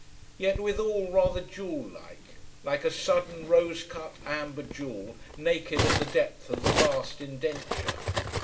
Yet withal rather jewel like: like a sudden rose cut amber jewel naked at the depth of the vast indenture.